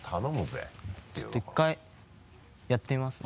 ちょっと１回やってみますね。